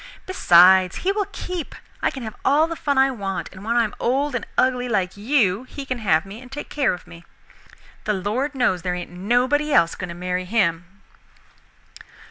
Besides he will keep. I can have all the fun I want, and when I am old and ugly like you he can have me and take care of me. The Lord knows there ain't nobody else going to marry him."